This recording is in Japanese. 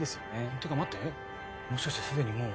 ってか待ってもしかしてすでにもう。